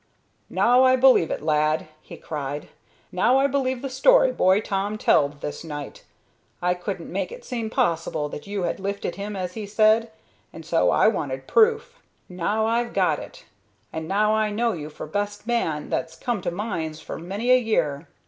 "Now I believe it, lad!" he cried. "Now I believe the story boy Tom telled this night. I couldn't make it seem possible that you had lifted him as he said, and so I wanted proof. Now I'm got it, and now I know you for best man that's come to mines for many a year.